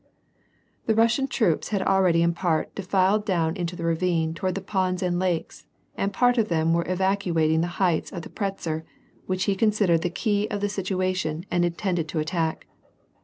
The Russian troops had already in part defiled down into the ravine toward the ponds and lakes, and part of them were evacuating the heights of the Pratzer which he considered the key of the situation and intended to attack.